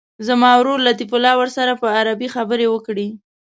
زما ورور لطیف الله ورسره په عربي خبرې وکړي.